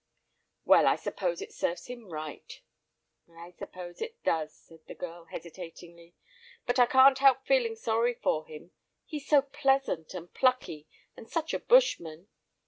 "Well, I suppose it serves him right." "I suppose it does," said the girl, hesitatingly; "but I can't help feeling sorry for him, he's so pleasant and plucky, and such a bushman.